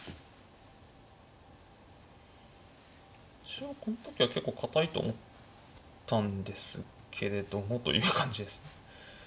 一応この時は結構堅いと思ったんですけれどもという感じです。